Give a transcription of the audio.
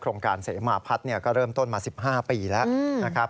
โรงการเสมาพัฒน์ก็เริ่มต้นมา๑๕ปีแล้วนะครับ